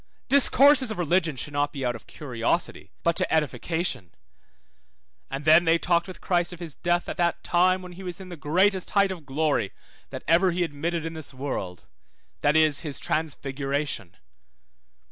Discourses of religion should not be out of curiosity, but to edification. And then they talked with Christ of his death at that time when he was in the greatest height of glory, that ever he admitted in this world, that is, his transfiguration.